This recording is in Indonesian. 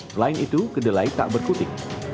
selain itu kedelai tak berkutik